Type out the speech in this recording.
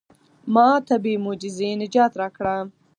ما ته بې معجزې نجات راکړه.